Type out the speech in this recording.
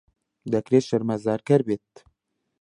دەکرێت شەرمەزارکەر بێت.